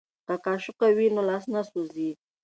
که قاشقه وي نو لاس نه سوځي.